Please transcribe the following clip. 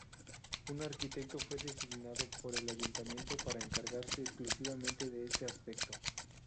Un arquitecto fue designado por el ayuntamiento para encargarse exclusivamente de este aspecto.